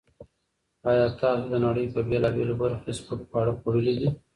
ایا تاسو د نړۍ په بېلابېلو برخو کې سپک خواړه خوړلي دي؟